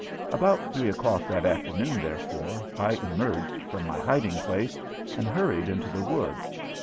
About three o'clock that afternoon, therefore, I emerged from my hiding place and hurried into the wood.